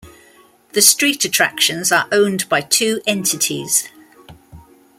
The street attractions are owned by two entities.